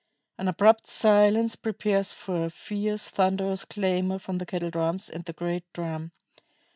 An abrupt silence prepares for a fierce, thunderous clamor from the kettle drums and the great drum.